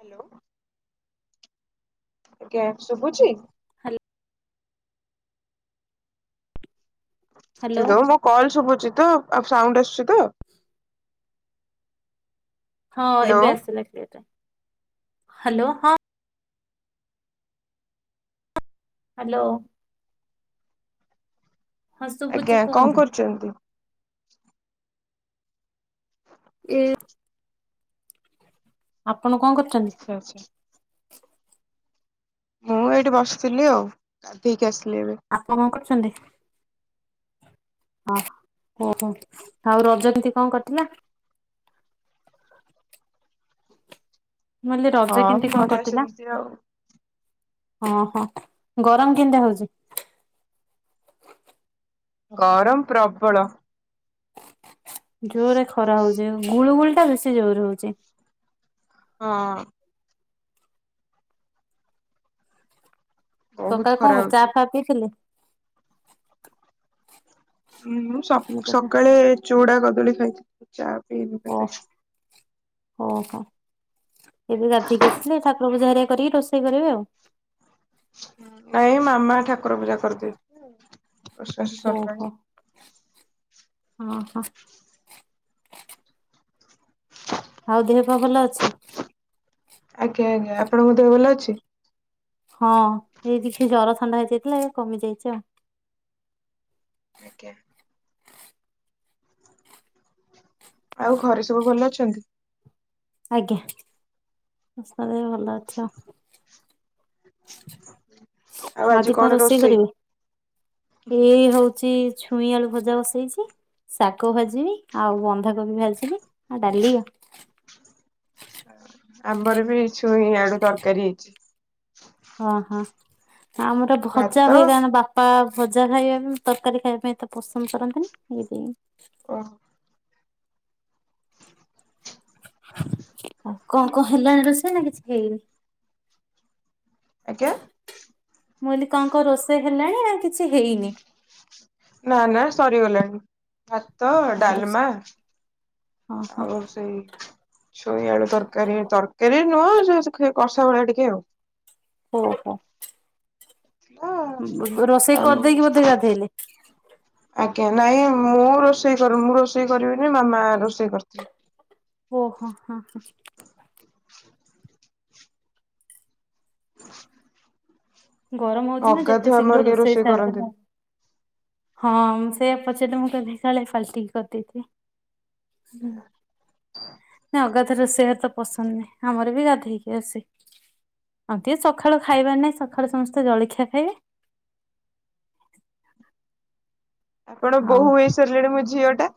Hello ଆଜ୍ଞା ଶୁଭୁଛି ହାଲ୍ ହାଲୋ ହ୍ୟାଲୋ ମୋ କଲ ଶୁଭୁଛି ତ ଆଉ ସାଉଣ୍ଡ ଆସୁଛି ତ? ହଁ ହ୍ୟାଲୋ ଏବେ ଆସିଲା ହ୍ୟାଲୋ ହଁ। ହ୍ୟାଲୋ ହଁ ଶୁଭୁଛ କୁହନ୍ତୁ? ଛନ୍ତି ଏ ଆପଣ କଣ କରୁଛନ୍ତି? ଆଛା ଆଛା। ମୁଁ ଏଇଠି ବସିଥିଲି ଆଉ ଗାଧେଇକି ଆସିଲି ଏବେ ଆପଣ କଣ କରୁଛନ୍ତି? ହଁ ଓହୋ ଆଉ ରଜ କେମିତି କଣ କଟିଲା? ମୁ କହିଲି ରଜ କେମିତି ହଁ କଣ ବଢିଆ କଟିଲା? ସେମିତି ଆଉ ଓହୋ ଗରମ କେମତିଆ ହେଉଛି? ଗରମ ପ୍ରବଳ। ଜୋରରେ ଖରା ହଉଚି ଗୁଳୁ ଗୁଳି ଟା ବେଶୀ ଜୋରେ ହଉଚି। ହଁ। ବହୁତ ସକାଳେ ଖରା କଣ ଚା ହଉଛି ଫା ପିଇଥିଲେ? ହୁଁ ମୁ ସକାଳେ ଚୁଡା କଦଳୀ ଖାଇଥିଲି ଚା ଓ ପିଇନି ଓହୋ। ଏବେ ଗାଧେଇକି ଆସିଲେ ଠାକୁର ପୂଜା ହେରିକ କରିକି ରୋଷେଇ କରିବେ ଆଉ? ନାଇଁ ମାମା ଠାକୁର ପୂଜା କରିଦଏ। ଓହୋ ହଁ ହଁ। ଆଉ ଦେହ ପା ଭଲ ଅଛି? ଆଜ୍ଞା ଆଜ୍ଞା ଆପଣଙ୍କହ ଭଲ ଅଛି? ହଁ ଏଇ ଟିକେ ଜର ଥଣ୍ଡା ହେଇଯାଇଥିଲା କମି ଯାଇଛି ଆଉ ଆଜ୍ଞା। ଆଉ ଘରେ ସବୁ ଭଲ ଅଛନ୍ତି? ଆଜ୍ଞା [inaudible] ଭଲ ଅଛ। ଆଜି କଣ ରୋଷେଇ କରିବେ? ଏଇ ହଉଛି ଛୁଇଁ ଆଳୁ ଭଜା ବସେଇଛି ଶାଗ ଭାଜିବି ଆଉ ବନ୍ଧାକୋବି ଭାଜିବି ଆଉ ଡାଲି ଆଉ ଆମର ବି ଛୁଇଁ ଆଡୁ ତରକାରୀ ହେଇଛି। ଓଁହଁ ଆମର ଭଜା ଭାତ ହୁଗା ବାପ ପ ଭଜା ଖାଇବା ପାଇଁ ତରକାରୀ ଖାଇବା ପାଇଁ ଏତେ ପସନ୍ଦ କରନ୍ତିନି ସେଇଥି ପାଇଁ ଓ ଆଉ କଣ କଣ ହେଲାଣି ରୋଷେଇ ନା କିଛି ହେଇନି? ଆଜ୍ଞା? ମୁଁ କହିଲି କଣ କଣ ରୋଷେଇ ହେଲାଣି ନା କିଛି ହେଇନି? ନା ନା ସରିଗଲାଣି ଭାତ ହଁ ହଁ ଡାଲମା ଆଉ ସେଇ ଚୁଇଆଳୁ ତରକାରୀ ତରକାରୀ ନୁହଁ କଷା ଭଳିଆ ଟିକେ ଆଉ ଓହୋ। ଥିଲା ରୋଷେଇ ଆଉ କରିଦେଇକି ବୋଧେ ଗାଧେଇଲେ? ଆଜ୍ଞା ନାଇଁ ମୁଁ ରୋଷେଇ ମୁଁ ରୋଷେଇ କରିବିନି ମାମା ରୋଷେଇ କରିିବି। ଓହୋ ହୋ। ହ ଗରମ ହଉଛି ନା ଯେତେ ଶୀଘ୍ର କେହି ରୋଷେଇ କରନ୍ତିନି। ସାରିଦେଲେ ହଁ ସେୟା ପଚାରେ ମୁଁ କହିଲି [unintelligible] ଫାଷ୍ଟିଙ୍ଗ କରିଦେଇଥିଲି। ହ ନା ଅଗା ରୋଷେଇ ଘରେ ତ ପସନ୍ତି ନାହିଁ ଆମର ବି ଗାଧେଇକି ଆସେ। ଆଉ ଟିକେ ସଖାଳୁ ଖାଇବାର ନାଇଁ ସଖାଳୁ ସମସ୍ତେ ଜଳଖିଆ ଖାଇବେ। ଆପଣ ଆଉ ବୋହୁ ହେଇ ସାରିଲେଣି ମୋ ଝିଅ ଟା।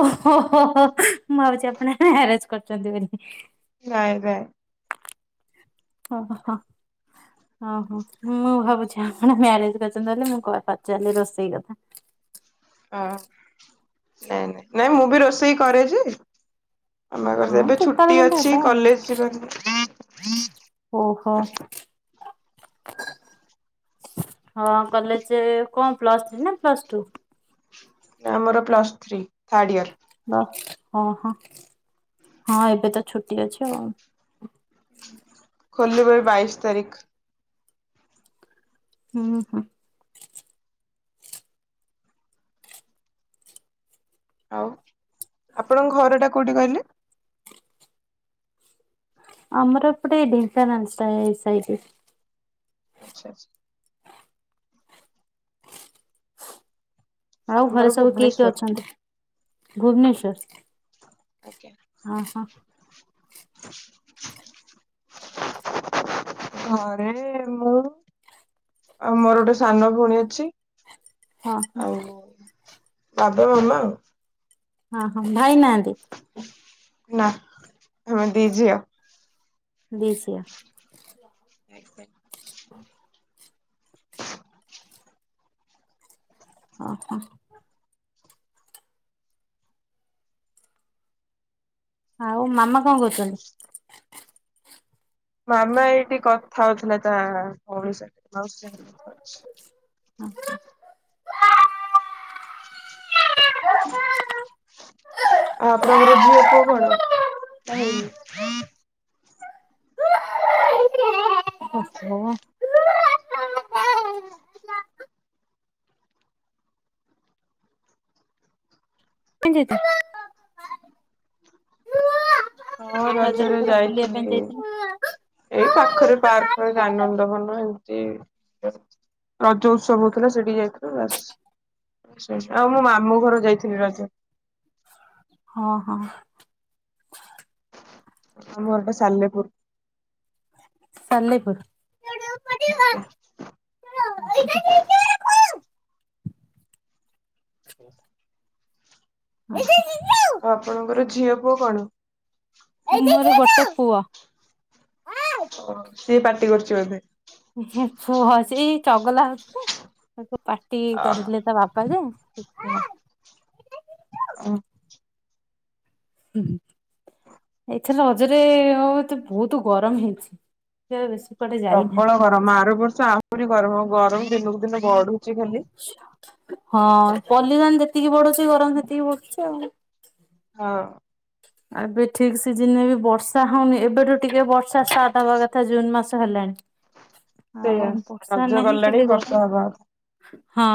ଓ ହୋ ହୋ ହୋ ମୁଁ ଭାବଛି ଆପଣ ମିଆରେଜ କରିଛନ୍ତି ବୋଲି। ନାଇଁ ବେ ଓ ହ ହଁ। ଓହୋ ମୁଁ ଭାବୁଛି ଆପଣ ମ୍ୟାରେଜ କରିଛନ୍ତି ବୋଲି ହ ମୁଁ କ ପଚାରିଲି ରୋଷେଇ କଥା। ହଁ ନାଇଁ ନାଇଁ ନାଇଁ ମୁଁ ବି ରୋଷେଇ କରେଯେ। [unintelligible] ହଁ ଏବେ କେତେବେଳେ ଛୁଟି କେମିତି ଅଛି ହବ ଆଉ। କଲେଜ ଯିବା ଓହୋ। କରେ। ହଁ କଲେଜ କଣ ପ୍ଲସ ଥ୍ରୀ ନା ପ୍ଲସ ଟୁ। ଆମର ପ୍ଲସ୍ ଥ୍ରୀ ଥାର୍ଡ ଇୟର। ବା ହଁ ହଁ ହଁ ଏବେ ତ ଛୁଟି ଅଛି ଆଉ। ଖୋଲିବେ ବାଇଶ ତାରିଖ। ହୁଁ ହୁଁ। ଆଉ ଆପଣଙ୍କ ଘର ଟା କୋଉଠି କହିଲେ? ଆମର ପଟେ ଢେଙ୍କାନାଳ ସାଇ ସାଇଟରେ। ଆଚ୍ଛା ଆଛା। ଆଉ ଘରେ ଆମର ସବୁ କିଏ କିଏ ଭୁବନେଶ୍ଵର ଅଛନ୍ତି ଭୁବନେଶ୍ଵର। ଆଜ୍ଞା। ଅ ହଁ। ଘରେ ମୁଁ। ଆଉ ମୋର ଗୋଟେ ସାନ ଭଉଣୀ ଅଛି। ହଁ ହଁ ଆଉ ବାବା ମାମା ଆଉ। ଅ ହୋ ଭାଇ ନାହାନ୍ତି? ନା ଆମେ ଦି ଝିଅ। ଦିଶିଆ। [inaudible] ଓ ହୋ। ଆଉ ମାମା କଣ କରୁଛନ୍ତି? ମାମା ଏଇଠି କଥା ହଉଥିଲା ତା ଭଉଣି ସାଙ୍ଗରେ ମାଉସି ସାଙ୍ଗରେ ହଁଛ ଆଉ ଆପଣଙ୍କର ଝିଅ ପୁଅ କଣ? ଓ ହୋ। ଯେ ଯେ ହଁ ରଜରେ ଯାଇଥିଲି। ଏଇ ପାଖରେ ପାର୍କ ଆନନ୍ଦବନ ଏମିତି। ରଜ ଉତ୍ସବ ହଉଥିଲା ସେଠିକି ଯାଇଥିଲୁ ବାସ୍। ଆଉ ମୁଁ ମାମୁଁ ଘର ଯାଇଥିଲି ରଜ। ହଁ ହଁ। ଆମର ପା ସାଲେପୁର। ସାଲେପୁୁର। ଆଜ୍ଞା। [inaudible] ଆଉ ଆପଣଙ୍କର ଝିଅ ପୁଅ କଣ? ମୋର ଗୋଟେ ପୁଅ। ଓ ସିଏ ପାର୍ଟି କରୁଛି ବୋଧେ। ପୁହଛି ଏଇ ଚଗଲା ହଉଛି ତା। ସବୁ ପାଟି କରିଥିଲେ ଓହୋ। ତା ବାପା ଯେ। ସେ [unintelligible] ହଉ। ଉଁ, ହୁଁ। ଏଇଥର ରଜରେ ବହୁତ, ବହୁତ ଗରମ ହେଇଛି [unintelligible] ବେଶୀ। କୁଆଡେ ପ୍ରବଳ ଯାଇନାହାନ୍ତି। ଗରମ, ଆର ବର୍ଷ ଆହୁରି ଗରମ, ଗରମ ଦିନକୁ ଦିନ ବଢୁ, ହଁ ପଲିସନ ଯେତିକି ବଢୁଛି, ଗରମ ସେତିକି ବଢୁଛି ଆଉ। ହଁ। ଏବେ ଠିକ ସିଜିନରେ ବି ବର୍ଷା ହଉନି ଏବେଠୁ ଟିକେ ବର୍ଷା ଷ୍ଟାର୍ଟ। ହବା କଥା ଜୁନ ମାସ ହେଲାଣି, ସେଇଆ ଆଉ ବର୍ଷା ରଜ ନାହିଁ ଗଲାଣି ଖାଲି ବର୍ଷା ଗରମ। ହବା କଥା ହଁ।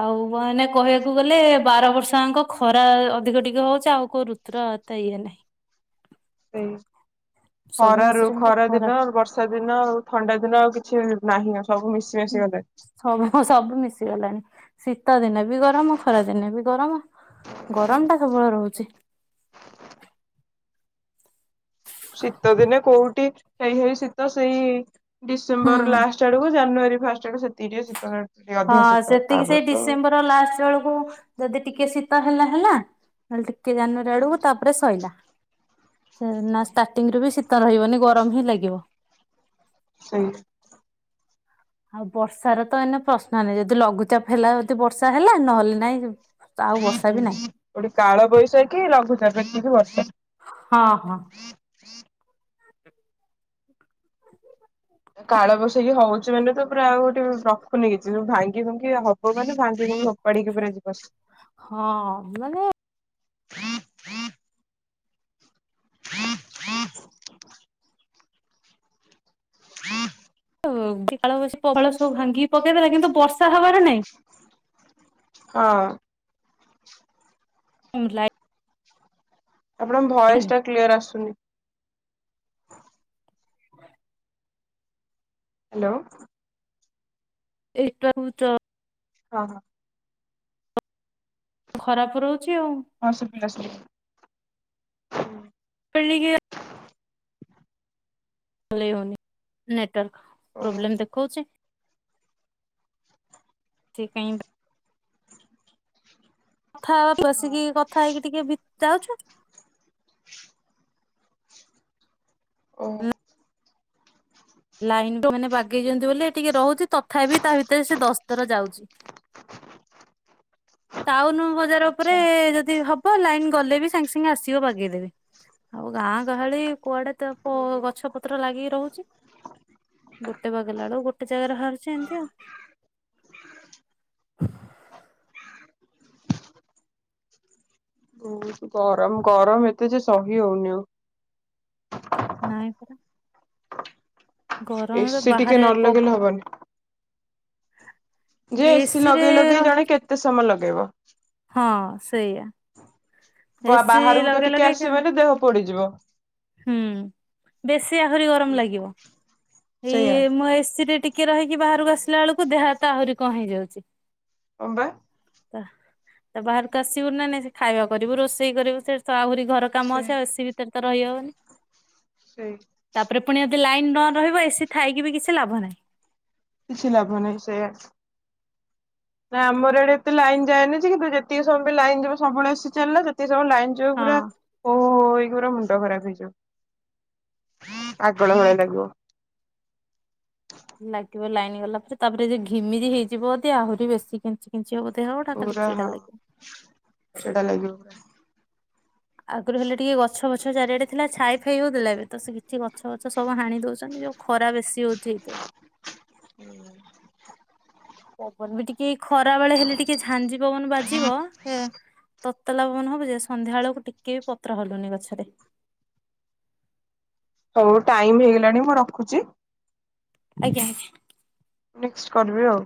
ଆଉ ମାନେ କହିବାକୁ ଗଲେ ବାର ବର୍ଷଯାଙ୍କ ଖରା ଅଧିକ ଟିକେ ହଉଛି। ଆଉ କୋଉ ଋତୁ ର ଏତେ ଇଏ ନାହିଁ। ସେଇଆ, ସବୁ ଖରାରୁ ମାସରେ କିନ୍ତୁ ଖରା ଦିନ ବର୍ଷା ବର୍ଷାଦିନ ଆଉ ଥଣ୍ଡା ଦିନ ଆଉ କିଛି ନାହିଁ। ଆଉ ସବୁ ମିଶି ମାଶି ଗଲାଣି। ସବୁ, ସବୁ ମିଶିଗଲାଣି। ଶୀତ ଦିନେ ବି ଗରମ, ଖରା ଦିନେ ବି ଗରମ। ଗରମ ଟା ସବୁବେଳେ ରହୁଛି। ଶୀତ ଦିନେ କୋଉଠି ସେଇ ହେଇ ଶୀତ ସେଇ ଡିସେମ୍ବର ହୁଁ। ଲାଷ୍ଟ ଆଡକୁ, ଜାନୁଆରୀ ଫାଷ୍ଟ ଆଡକୁ ସେତିକି ଟିକେ ଶୀତ ଲାଗୁଛି। ଅଧିକ ଶୀତ ତାପରେ ତ ଶୀତ ଲାଷ୍ଟ ବେଳକୁ ଯଦି ଟିକେ ଶୀତ ହେଲା, ହେଲା, ନହେଲେ ଟିକେ ଜାନୁଆରୀ ଆଡ଼କୁ ତାପରେ ଶଇଲା। ନାଁ ଷ୍ଟାର୍ଟିଂ ରୁ ବି ଶୀତ ଶୀତ ରହିବନି ଗରମ ହିଁ ଲାଗିବ। ସେଇଆ। ଆଉ ବର୍ଷାର ତ ଏଇନେ ପ୍ରଶ୍ନ ନାହିଁ। ଯଦି ଲଘୁଚାପ ହେଲା ଯଦି ବର୍ଷା ହେଲା ନହେଲେ ନାଇଁ। ଆଉ ବର୍ଷା ବି ନାହିଁ ଗୋଟେ କାଳବୈଶାଖି, ଲଘୁଚାପ ଏତିକି ବର୍ଷା। ହଁ, ହଁ। କାଳବୈଶାଖି କି ହଉଚି। ସେମାନେେ ତ ପୁରା ଆଉ ଗୋଟେ ରଖୁନି କିଛି। ସବୁ ଭାଙ୍ଗି ଭୁଁଙ୍ଗି ହବ ମାନେ, ଭାଙ୍ଗି ଭୁଁଙ୍ଗି ଫୋପାଡି କି ପୁରା ଯିବସିଏ। ହଁ ମାନେ, [unintelligible] ଓ ଡାଳ ଫାଳ ସବୁ ଭାଙ୍ଗିକି ପକେଇ ଦେଲା କିନ୍ତୁ ବର୍ଷା ହବାର ନାଇଁ। ହଁ। ମୁଁ ଲାଇକ। ଆପଣଙ୍କ ଭଏସ ଟା କ୍ଲିୟର ଆସୁନି। ହ୍ୟାଲୋ। ଏଇଟା କୁ ତ। ହଁ, ହଁ। ଖରାପ ରହୁଛି ଆଉ। ହଁ ସୁଵିଲା, ସୁବିଲା। ପେଲିକିଆ [unintelligible] ହଲେଇ ହଉନି ନେଟୱାର୍କ ଓହୋ ପ୍ରୋବ୍ଲେମ ଦେଖଉଚି। ଠିକ ଟାଇମ୍ ରେ କଥା ହବା ହଁ ବସିକି କଥା ହେଇକି ଟିକେ ବିତାଉଛୁ। [unintelligible] ଓ ଲାଇନ ତ ମାନେ ବା ଗେଇଛନ୍ତି ବୋଲି ଟିକେ ରହୁଛି ତଥାପି ତା ଭିତରେ ସେ ଦଶଥର ଯାଉଛି। ଟାଉନ ବଜାର ଉପରେ ଆଚ୍ଛା ଯଦି ହବ ହଁ ଲାଇନ୍ ଗଲେ ବି ସାଙ୍ଗେ ସାଙ୍ଗେ ଆସିବ ବଗେଇଦେବେ ଆଉ ଗାଁ ଗହଳି କୁଆଡେ ତ ଓ ହୁଁ ହୁଁ ଗଛ ପତ୍ର ଲାଗିକି ରହୁଛି ଗୋଟେ ବାଗେଇଲା ବେଳକୁ ଗୋଟେ ଜାଗାରେ ବାହାରୁଛି ଏମିତି ହଁ। ଆଉ। ବହୁତ ଗରମ ଗରମ ଏତେ ଯେ ସହି ହଉନି ଆଉ। ନାଇଁ ପରା। ଏ ଗରମରେ ସି ଟିକେ ବାହାରେ ନ ପବ ଲଗେଲଲେ ହବନି। ଯେ ଏ ସିି ଏସି ରେ ଲଗେଇ ଲଗେଇ ରହି ଜଣେ କେତେ ସମୟ ଲଗେଇବ। ହଁ ସେଇଆ। ଏସି ବାହାରକୁ ତ ଲଗେଇ ଟିକେ ଲଗେଇ ଆସିବମାନେ ଦେହ ପୋଡିଯିବ। ହୁଁ ବେଶୀ ଆହୁରି ଗରମ ଲାଗିବ ସେଇଆ ଏଇ ମୁଁ ଏରେ ଟିକେ। ଟିକେ ରହିକି ବାହାରକୁ ଆସିଲା ବେଳକୁ ଦେହ ହାତ ଆହୁରି କଣ ହେଇଯାଉଛି। ହ ବା। ତ ତା ବାହାରକୁ ଆସିବୁ ନା ନ ସେ ଖାଇବା କରିବୁ ରୋଷେଇ କରିବୁ ସେ ତ ଆହୁରି ଘର। କାମ ସେଇ ଅଛି ଆଉ ଏ ସିି ଭିତରେ ତ ରହିହବନି। ସେଇ ତାପରେ ପୁଣି ଯଦି ଲାଇନ ନ ରହିବ ଏ ସି ଥାଇକି ବି କିଛି ଲାଭ ନାହିଁ। କିଛି ଲାଭନେଇ ସେୟା। ନା ଆମର ଏଇଡେ ଏତେ ଲାଇନ୍ ଯାନି କିନ୍ତ ଯେତିକି ସବୁ ବି ଲାଇନ ଯୁ ସବୁ ଆସି ଚାଲିଲା ଯେତିକ ସବୁ ଲାଇନ। ହଁ। ଜବରତ। ଓହୋହୋ ଏଇରା ମୁଣ୍ଡ ଖରାପ ହେଇଯିବ ଆଗଳ ଭଳି ଲାଗିବ। ଲାଗିବ ଲାଇନ୍ ଗଲା ପରେ ତାପରେ ଯ ଘିମିରି ହେଇଯିବଦି ଆହୁରି ବେଶୀ କିି। କିି ହବ ଦେହଉ ଟଟ ଖାଲି ପୁରା ହଁ ଚଛିଡ଼ା ଲାଗିବ। ଚିଡା ଲାଗିବ। ଆଗରୁ ହେଲେ ଟିକେ ଗଛ ବଛ ଚାରିଆଡେ ଥିଲା ଛାଇ ଫାଇ ହଉ ଦେଥିଲା ବିବେ ତ ସେ କିଛିି ଗଛ ଫଛ ସବୁ ହାଣି ଦଉଛନ୍ତି ଯଉ। ଖରା ବେଶୀ ହଉଛି ଏଠି। ହୁଁ। ପବନ ବି ଟିକେ ଖରା ବେଳେ ହେଲେ ଟିକେ ଝାଞ୍ଜି ପବନ ବାଜିବ। ସେ ତତ୍ତଲା ପବନ ହବୁ ଯେ ସନ୍ଧ୍ୟା ବେଳକୁ ଟିକେ ବି ପତ୍ର ହଲୁନି ଗଛରେ। ହୋଉ ଟାଇମ ହେଇଗଲାଣି ମୁଁ ରଖୁଛି। ଆଜ୍ଞା ଆଜ୍ଞା। [unintelligible] କରିବି ଆଉ।